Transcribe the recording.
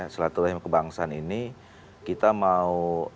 silaturahim kebangsaan ini kita mau